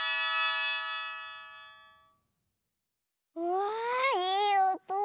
わあいいおと。